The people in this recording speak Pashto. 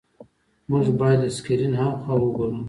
موږ باید له سکرین هاخوا وګورو.